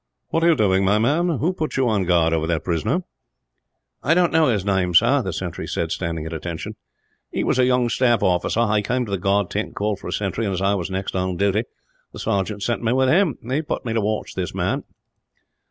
"What are you doing, my man? Who put you on guard over that prisoner?" "I don't know his name, sir," the sentry said, standing at attention. "He was a young staff officer. He came to the guard tent and called for a sentry and, as I was next on duty, the sergeant sent me with him. He put me to watch this man."